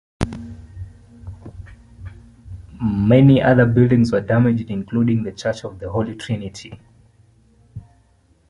Many other buildings were damaged, including the Church of the Holy Trinity.